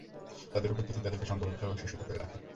তার উপস্থিতিই তাদেরকে সংঘবদ্ধ ও সুসংহত করে রাখে।